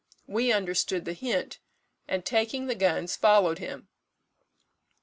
We understood the hint, and, taking the guns, followed him.